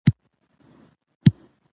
د اسلام د سیاسي نظام بنسټونه لس دي.